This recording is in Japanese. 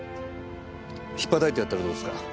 引っぱたいてやったらどうですか。